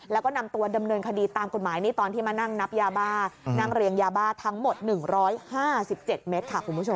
แล้วก็นำตัวดำเนินคดีตามกฎหมายนี่ตอนที่มานั่งนับยาบ้านั่งเรียงยาบ้าทั้งหมด๑๕๗เมตรค่ะคุณผู้ชม